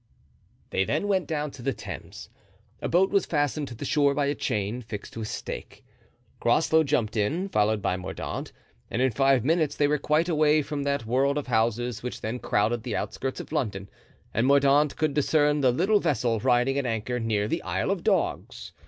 They then went down to the Thames. A boat was fastened to the shore by a chain fixed to a stake. Groslow jumped in, followed by Mordaunt, and in five minutes they were quite away from that world of houses which then crowded the outskirts of London; and Mordaunt could discern the little vessel riding at anchor near the Isle of Dogs.